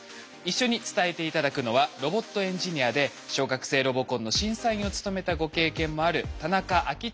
一緒に伝えて頂くのはロボットエンジニアで小学生ロボコンの審査員を務めたご経験もある田中章愛さんです。